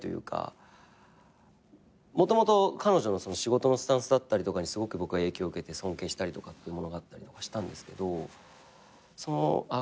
もともと彼女の仕事のスタンスだったりとかにすごく僕は影響受けて尊敬したりとかっていうものがあったりとかしたんですけどあっ